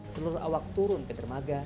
seluruh awak turun ke dermaga